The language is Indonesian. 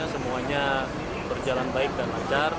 semuanya berjalan baik dan lancar